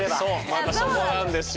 またそこなんですよ。